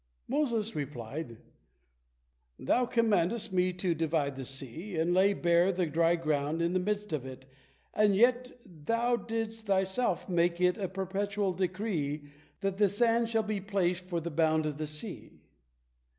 Moses replied: "Thou commandest me to divide the sea, and lay bare the dry ground in the midst of it, and yet Thou didst Thyself make it a perpetual decree, that the sand shall be placed for the bound of the sea."